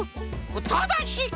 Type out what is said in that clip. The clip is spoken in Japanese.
ただし！